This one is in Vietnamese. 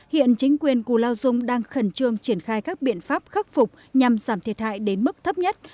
hiện chính quyền cù lao dung đang khẩn trương triển khai các biện pháp khắc phục nhằm giảm thiệt hại đến mức thấp nhất